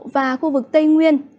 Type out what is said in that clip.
và khu vực tây nguyên